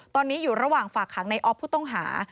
ตอนนี้อยู่ระหว่างฝากหางในออฟผู้ต้องหา